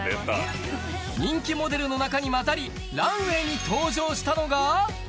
人気モデルの中に交ざり、ランウエーに登場したのが。